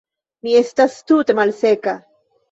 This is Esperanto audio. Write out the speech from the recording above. Mi estas tute malseka.